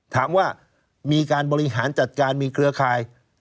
ถามว่ามีการบริหารจัดการมีเครือข่าย